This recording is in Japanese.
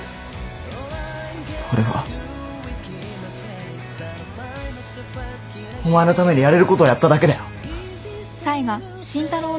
俺はお前のためにやれることをやっただけだよ。